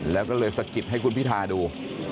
แล้วก็เลยสะกิดให้คุณพิธาดู